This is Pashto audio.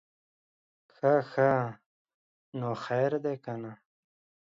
ښه ښه, نور خير دے که نه؟